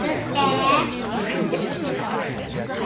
任せて。